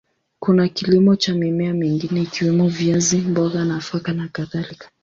Kuna kilimo cha mimea mingine ikiwemo viazi, mboga, nafaka na kadhalika.